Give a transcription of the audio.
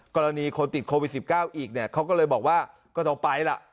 กรณีคนติดโควิด๑๙อีกเนี่ยเขาก็เลยบอกว่าก็ต้องไปล่ะ